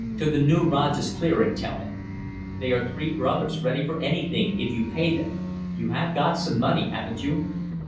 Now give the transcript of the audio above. To the new Rajah's clearing, tell him. They are three brothers, ready for anything if you pay them ... you have some money. Haven't you?"